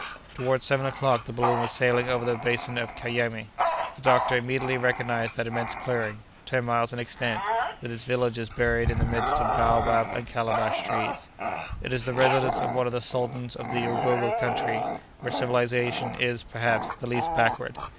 Toward seven o'clock, the balloon was sailing over the basin of Kanyemé. The doctor immediately recognized that immense clearing, ten miles in extent, with its villages buried in the midst of baobab and calabash trees. It is the residence of one of the sultans of the Ugogo country, where civilization is, perhaps, the least backward.